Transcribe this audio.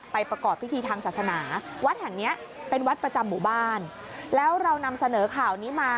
ไปประกอบพิธีทางศาสนา